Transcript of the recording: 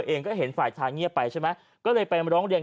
เองก็เห็นฝ่ายชายเงียบไปใช่ไหมก็เลยไปร้องเรียน